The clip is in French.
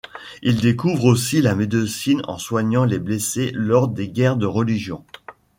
Il découvre aussi la médecine en soignant les blessés lors des guerres de religion.